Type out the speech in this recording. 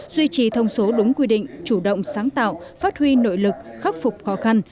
duy trì thông số đúng quy định chủ động sáng tạo phát huy nội lực khắc phục khó khăn